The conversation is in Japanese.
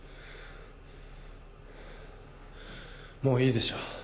もういいでしょ。